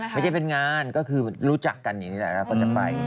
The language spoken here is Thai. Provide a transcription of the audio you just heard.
ไม่ใช่เป็นงานก็คือรู้จักกันอย่างนี้แหละเราก็จะไป